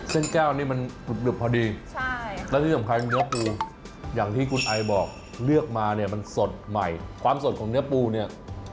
เส้นแก้วนี้มันหนึบพอดีและที่สำคัญเนื้อปูอย่างที่คุณไอบอกเลือกมาเนี่ยมันสดใหม่ความสดของเนื้อปูเนี่ย